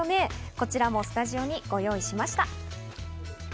こちらもスタジオにご用意しました。